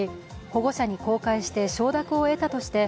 保護者に公開して承諾を得たとして